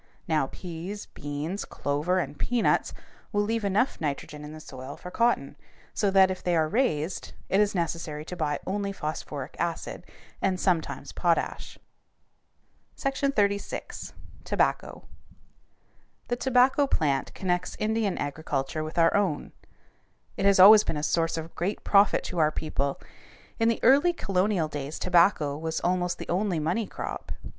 Now peas, beans, clover, and peanuts will leave enough nitrogen in the soil for cotton, so that if they are raised, it is necessary to buy only phosphoric acid and sometimes potash. SECTION XXXVI. TOBACCO The tobacco plant connects Indian agriculture with our own. It has always been a source of great profit to our people. In the early colonial days tobacco was almost the only money crop.